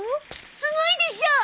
すごいでしょ。